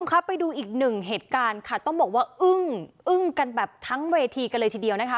ครับไปดูอีกหนึ่งเหตุการณ์ค่ะต้องบอกว่าอึ้งอึ้งกันแบบทั้งเวทีกันเลยทีเดียวนะคะ